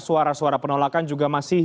suara suara penolakan juga masih